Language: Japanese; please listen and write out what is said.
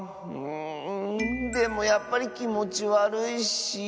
うんでもやっぱりきもちわるいし。